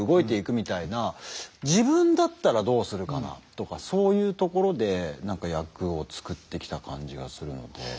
自分だったらどうするかなとかそういうところで何か役を作ってきた感じがするので。